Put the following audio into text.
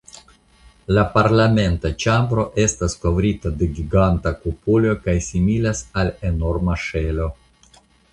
La parlamenta ĉambro estas kovrita de giganta kupolo kaj similas al enorma ŝelo.